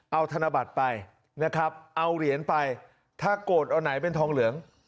เอาธนบัตรไปนะครับเอาเหรียญไปถ้าโกรธเอาไหนเป็นทองเหลือง